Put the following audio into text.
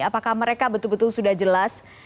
apakah mereka betul betul sudah jelas